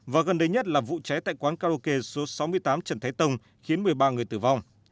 và gần đây nhất là vụ cháy tại quán karaoke số sáu mươi tám trần thái tông khiến một mươi ba người tử vong